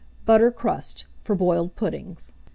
BUTTER CRUST, for Boiled Puddings.